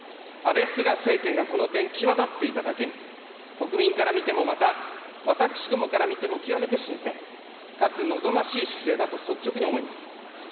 安倍・菅政権がこの点、際立っていただけに、国民から見てもまた、私どもから見ても極めて新鮮かつ望ましい姿勢だと、率直に思います。